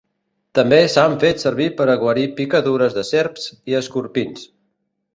També s'han fet servir per a guarir picadures de serps i escorpins.